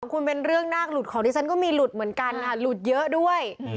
คุณเป็นเรื่องนาคหลุดของดิฉันก็มีหลุดเหมือนกันค่ะหลุดเยอะด้วย